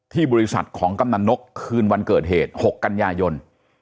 ที่บริษัทของกำนันนกคืนวันเกิดเหตุ๖กันยายน